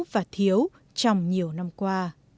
và thiếu trong nhiều năm qua